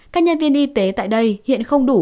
các nhân viên y tế tại đây hiện không đủ